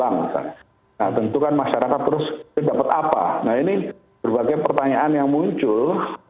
nah tentu kan masyarakat terus dapat apa nah ini berbagai pertanyaan yang muncul